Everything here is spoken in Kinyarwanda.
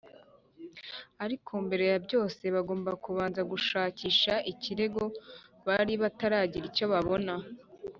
ariko mbere ya byose, bagombaga kubanza gushakisha ikirego bari bataragira icyo babona